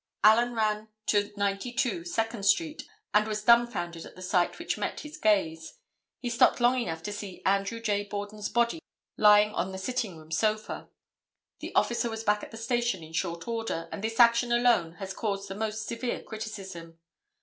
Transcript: Allen ran to 92 Second street and was dumbfounded at the sight which met his gaze. He stopped long enough to see Andrew J. Borden's body lying on the sitting room sofa. The officer was back at the station in short order, and this action alone has caused the most severe criticism.